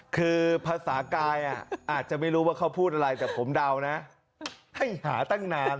คือภาษากายอาจจะไม่รู้ว่าเขาพูดอะไรแต่ผมเดานะให้หาตั้งนาน